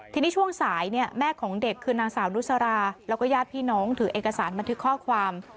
ทีนี้ช่วงสายแม่ของเด็กคือนางสาวนุสราแล้วก็ญาติพี่น้องถือเอกสารบันทึกข้อความ